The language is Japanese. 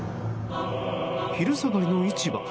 昼下がりの市場。